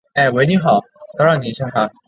毕业于中国海洋大学物理海洋专业。